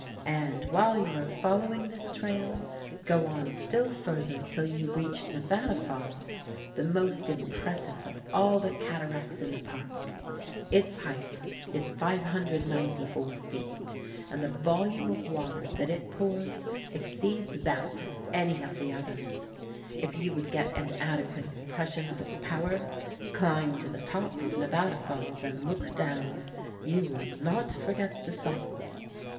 And, while you are following this trail, go on still further till you reach Nevada Falls, the most impressive of all the cataracts in the Park. Its height is 594 feet, and the volume of water that it pours exceeds that of any of the others. If you would get an adequate impression of its power, climb to the top of Nevada Falls and look down. You will not forget the sight.